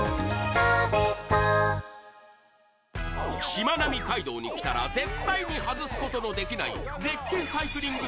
しまなみ海道に来たら絶対に外すことのできない絶景サイクリング